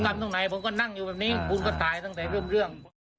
ผมกลับตรงไหนผมก็นั่งอยู่แบบนี้ภูมิก็ตายตั้งแต่เรื่องเรื่อง